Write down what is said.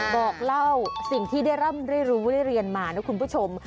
บอกเล่าสิ่งที่ได้ร่ำได้รู้ได้เรียนมานะคุณผู้ชม